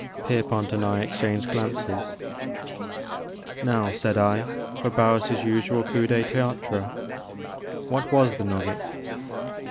Pierpont and I exchanged glances. "Now," said I, "for Harris* usual coup de th^Atre : what was the nugget?